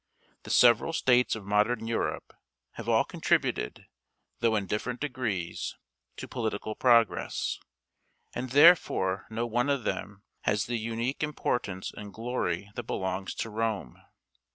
The several states of modern Europe have all contributed, though in different degrees, to political progress, and therefore no one of them has the unique importance and glory that belongs to Rome.